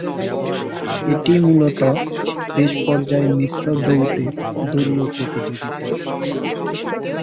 এটি মূলতঃ দেশ পর্যায়ে মিশ্র-দ্বৈতের দলীয় প্রতিযোগিতা।